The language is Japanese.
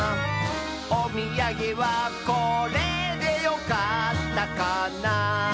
「おみやげはこれでよかったかな」